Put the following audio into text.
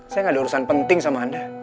saya gak ada urusan penting sama anda